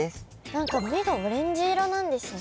何か目がオレンジ色なんですね？